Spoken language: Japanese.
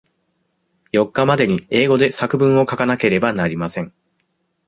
四日までに英語で作文を書かなければなりません。